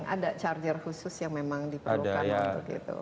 ada charger khusus yang memang diperlukan untuk itu